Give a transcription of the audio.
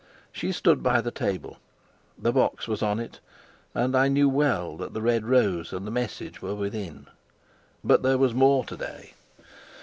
She stood by the table; the box was on it, and I knew well that the red rose and the message were within. But there was more to day.